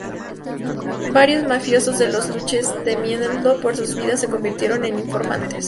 Varios mafiosos de los Lucchese, temiendo por sus vidas, se convirtieron en informantes.